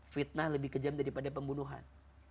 fitnah lebih kejam daripada pembunuhan